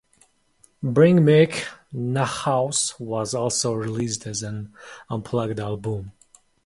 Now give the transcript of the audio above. "Bring mich nach Hause" was also released as an unplugged album.